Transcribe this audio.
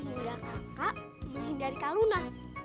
hanya apa sih hingga kakak menghindari kak luna